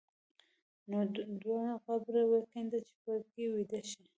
نو دوه قبره وکینده چې په کې ویده شې.